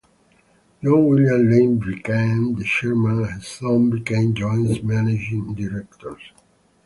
John William Laing became the chairman, and his sons became joint managing directors.